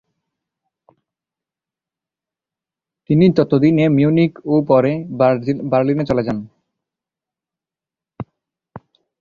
তিনি ততদিনে মিউনিখ ও পরে বার্লিনে চলে যান।